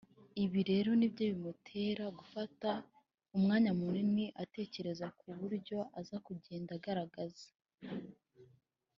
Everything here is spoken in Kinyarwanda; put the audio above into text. ibi rero ni byo bimutera gufata umwanya munini atekereza ku buryo aza kugenda agaragara (imyenda